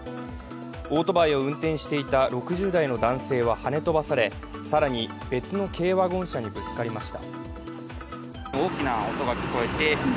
オートバイを運転していた６０代の男性ははね飛ばされ、更に別の軽ワゴン車にぶつかりました。